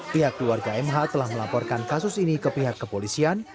pihak keluarga mh telah melaporkan kasus ini ke pihak kepolisian